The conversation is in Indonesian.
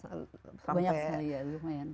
banyak sekali ya lumayan